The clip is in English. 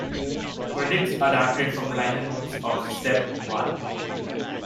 Credits adapted from the liner notes of "Step One".